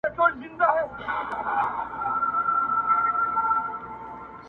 • د تکراري حُسن چيرمني هر ساعت نوې يې